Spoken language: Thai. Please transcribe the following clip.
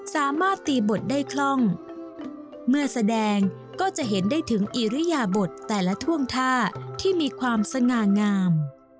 สามารถตีบทได้คล่องเมื่อแสดงก็จะเห็นได้ถึงอิริยบทแต่ละท่วงท่าที่มีความสง่างาม